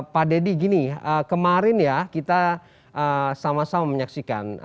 pak deddy gini kemarin ya kita sama sama menyaksikan